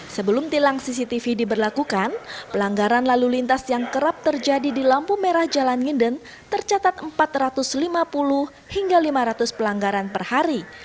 sebelum tilang cctv diberlakukan pelanggaran lalu lintas yang kerap terjadi di lampu merah jalan nginden tercatat empat ratus lima puluh hingga lima ratus pelanggaran per hari